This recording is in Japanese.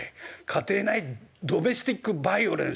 家庭内ドメスティックバイオレンス。